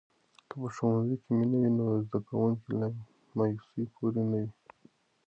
که په ښوونځي کې مینه وي، نو زده کوونکي له مایوسۍ پورې نه وي.